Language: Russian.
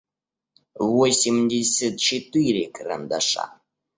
восемьдесят четыре карандаша